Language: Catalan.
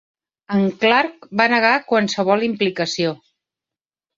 En Clark va negar qualsevol implicació.